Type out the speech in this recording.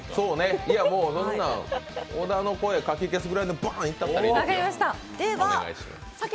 小田の声かき消すぐらいのバーンいったったらいい。